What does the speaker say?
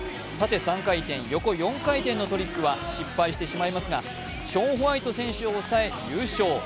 縦３回転・横４回転のトリックは失敗してしまいますが、ショーン・ホワイト選手を抑え優勝。